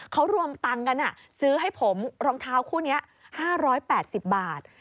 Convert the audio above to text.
เขารวมตังค์กันซื้อให้ผมรองเท้าคู่นี้๕๘๐บาท